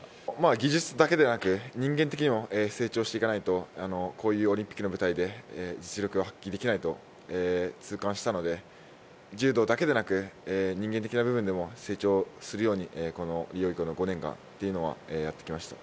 技術だけでなく人間的にも成長していかないとこういうオリンピックの舞台で実力を発揮できないと痛感したので、柔道だけでなく人間的な部分でも成長するように、この５年間っていうのをやってきました。